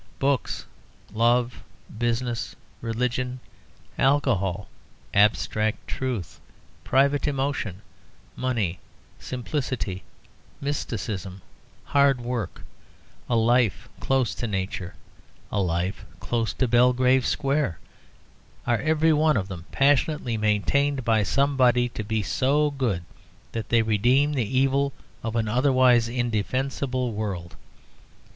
Books, love, business, religion, alcohol, abstract truth, private emotion, money, simplicity, mysticism, hard work, a life close to nature, a life close to Belgrave Square are every one of them passionately maintained by somebody to be so good that they redeem the evil of an otherwise indefensible world.